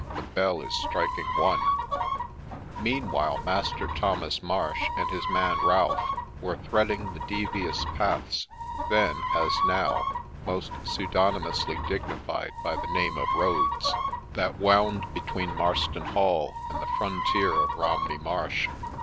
the bell is striking One !' Meanwhile Master Thomas Marsh, and his man Ralph, were threading the devious paths, then, as now, most pseudonymously dignified with the name of roads, that wound between Marston Hall and the frontier of Romney Marsh.